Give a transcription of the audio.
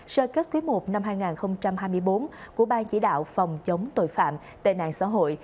sơ kết quý i năm hai nghìn hai mươi bốn của ban chỉ đạo phòng chống tội phạm tệ nạn xã hội